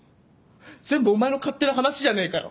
全部お前の勝手な話じゃねえかよ！